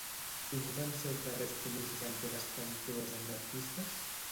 Quins van ser els darrers comicis en què va estar inclosa en les llistes?